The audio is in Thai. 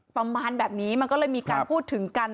ประมาณแบบนี้มันก็เลยมีการพูดถึงกัน